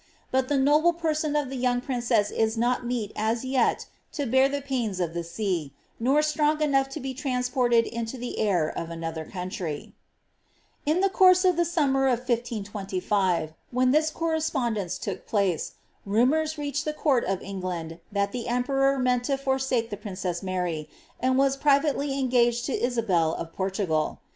But the noble person of the young princess is not meet as yet to bear the pains of the na, nor strong enough to be transported into the air of another «foun iry "' In the course of the summer of 1 525, when this correspondence took place, rumours reached the court of England that the emperor meant to bnake the princess Mary, and was privately engaged to Isabel of Por Uigal.